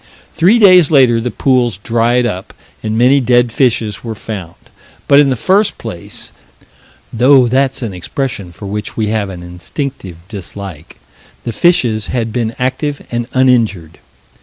Three days later the pools dried up and many dead fishes were found, but, in the first place though that's an expression for which we have an instinctive dislike the fishes had been active and uninjured.